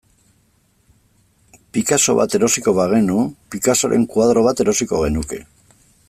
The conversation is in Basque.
Picasso bat erosiko bagenu, Picassoren koadro bat erosiko genuke.